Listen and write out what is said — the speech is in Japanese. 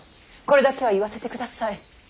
これだけは言わせてください。